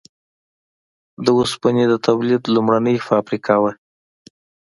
د اوسپنې د تولید لومړنۍ فابریکه وه.